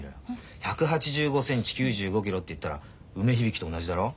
１８５センチ９５キロっていったら梅響と同じだろ。